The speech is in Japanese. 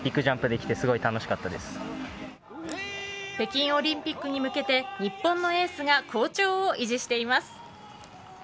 北京オリンピックに向けて日本のエースが好調を維持しています。